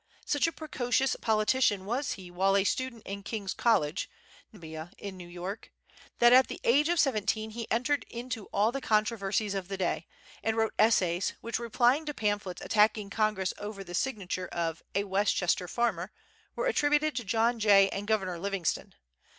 Such a precocious politician was he while a student in King's College, now Columbia, in New York, that at the age of seventeen he entered into all the controversies of the day, and wrote essays which, replying to pamphlets attacking Congress over the signature of "A Westchester Farmer," were attributed to John Jay and Governor Livingston.